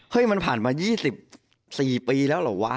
มันผ่านมา๒๔ปีแล้วเหรอวะ